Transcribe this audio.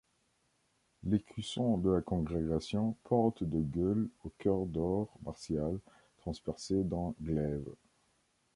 L'écusson de la Congrégation porte de gueule au cœur d'or marial transpercé d'un glaive.